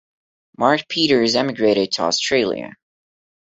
Mark Peters emigrated to Australia.